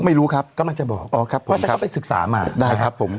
ไม่รู้ครับก็มันจะบอกเพราะฉะนั้นเขาไปศึกษามาได้ครับผม